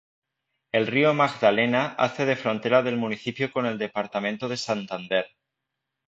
El río Magdalena hace de frontera del municipio con el departamento de Santander.